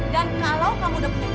dan kalau kamu udah punya uang